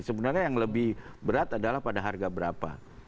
sebenarnya yang lebih berat adalah pada harga berapa